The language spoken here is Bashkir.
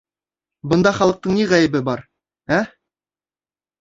Бында халыҡтың ни ғәйебе бар, ә?